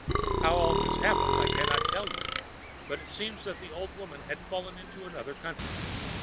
How all this happened I cannot tell you, but it seems that the old woman had fallen into another country.